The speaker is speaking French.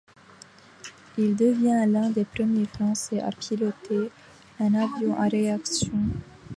Il devient l'un des premiers Français à piloter un avion à réaction.